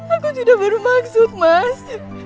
aku tidak bermaksud mas